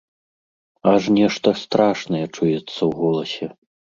Аж нешта страшнае чуецца ў голасе.